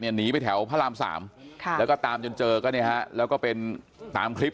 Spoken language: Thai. หนีไปแถวพระราม๓แล้วก็ตามจนเจอก็เนี่ยฮะแล้วก็เป็นตามคลิป